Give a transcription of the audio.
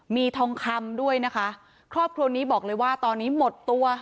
มีทองคำด้วยนะคะครอบครัวนี้บอกเลยว่าตอนนี้หมดตัว